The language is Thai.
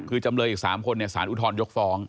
คือจำเลยอีก๓คนสารอุทธรยกฟ้อง